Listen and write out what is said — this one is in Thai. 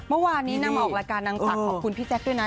เมื่อวานนี้นางมาออกรายการนางฝากขอบคุณพี่แจ๊คด้วยนะ